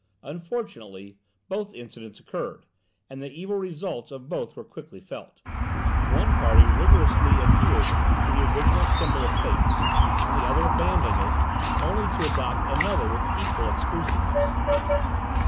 Unfortunately both incidents occurred, and the evil results of both were quickly felt. One party rigorously adhered to the original symbol of faith, and the other abandoned it, only to adopt another with equal exclusiveness.